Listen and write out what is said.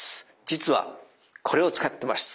実はこれを使ってます。